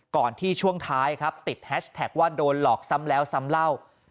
ก่อนที่ช่วงท้ายครับติดแฮชแท็กว่าโดนหลอกซ้ำแล้วซ้ำเล่า